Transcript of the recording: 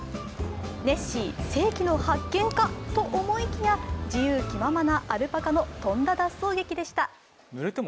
ネッシー世紀の発見かと思いきや自由気ままなアルパカのとんだ脱走劇でした。